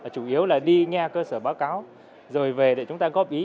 chủ yếu là đi nghe cơ sở báo cáo rồi về để chúng ta góp ý